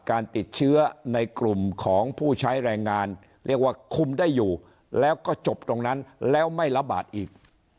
การติดเชื้อในกลุ่มของผู้ใช้แรงงานเรียกว่าคุมได้อยู่แล้วก็จบตรงนั้นแล้วไม่ระบาดอีก